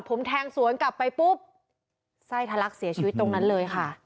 ผมแทงสวนกลับไปปุ๊บไส้ทะลักเสียชีวิตตรงนั้นเลยค่ะ